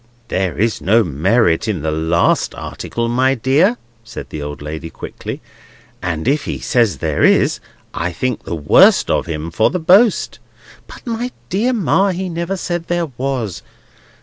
"There is no merit in the last article, my dear," said the old lady, quickly; "and if he says there is, I think the worse of him for the boast." "But, my dear Ma, he never said there was."